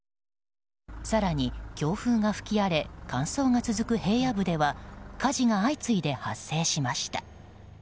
更に強風が吹き荒れ乾燥が続く平野部では火事が相次いで発生しました。